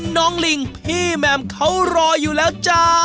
ลิงพี่แหม่มเขารออยู่แล้วจ้า